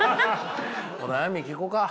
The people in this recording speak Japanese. お悩み聞こか。